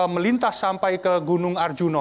melintas sampai ke gunung arjuna